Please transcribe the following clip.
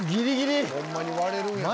ホンマに割れるんやな。